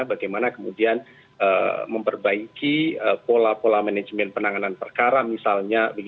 bagaimana kemudian memperbaiki pola pola manajemen penanganan perkara misalnya